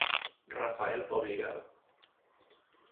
Rafael Obligado.